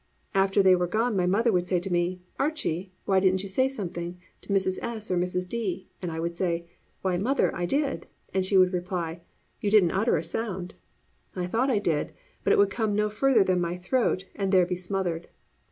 After they were gone my mother would say to me, "Archie, why didn't you say something to Mrs. S. or Mrs. D.?" and I would say, "Why, mother, I did!" and she would reply, "You didn't utter a sound." I thought I did, but it would come no further than my throat and there be smothered.